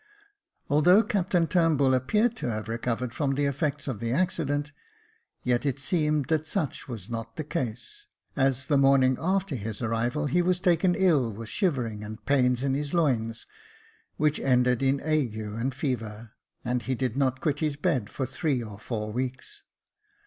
Although Captain Turnbull appeared to have recovered from the effects of the accident, yet it seemed that such was not the case, as the morning after his arrival he was taken ill with shivering and pains in his loins, which ended in ague and fever, and he did not quit his bed for three or four weeks.